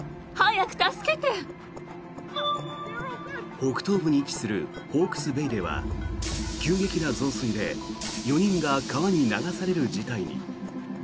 北東部に位置するホークスベイでは急激な増水で４人が川に流される事態に。